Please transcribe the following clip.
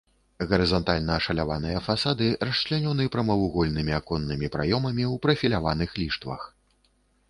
Гарызантальна ашаляваныя фасады расчлянёны прамавугольнымі аконнымі праёмамі ў прафіляваных ліштвах.